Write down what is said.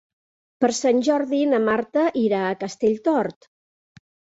Per Sant Jordi na Marta irà a Castellfort.